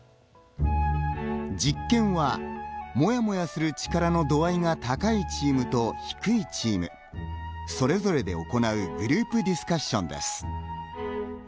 実験はモヤモヤする力の度合いが高いチームと、低いチームそれぞれで行うグループディスカッションです。